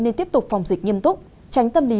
nên tiếp tục phòng dịch nghiêm túc tránh tâm lý